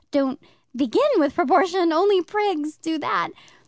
Don't BEGIN with proportion. Only prigs do that.